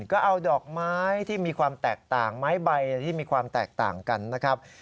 ก็เอาดอกไม้ที่มีความแตกต่างไม้ใบที่มีความแตกต่างกันนะครับ